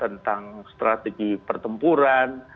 tentang strategi pertempuran